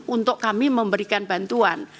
untuk kami memberikan bantuan